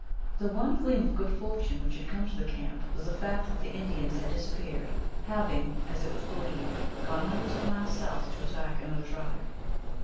The one gleam of good fortune which had come to the camp was the fact that the Indians had disappeared, having, as it was believed, gone hundreds of miles south to attack another tribe.